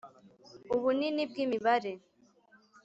ubunini bw’imibare